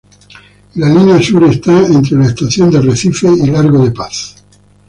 En la Línea Sur está entre las estaciones de Recife y Largo da Paz.